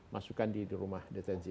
masukkan di rumah detensi